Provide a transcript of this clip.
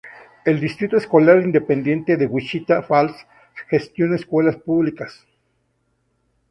El Distrito Escolar Independiente de Wichita Falls gestiona escuelas públicas.